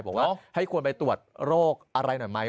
บอกว่าให้ควรไปตรวจโรคอะไรหน่อยไหม